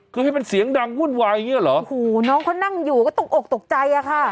คือให้มันเสียงดังวุ่นวายอย่างเงี้เหรอโอ้โหน้องเขานั่งอยู่ก็ตกอกตกใจอ่ะค่ะ